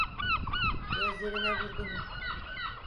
Gözlerine vurgunum.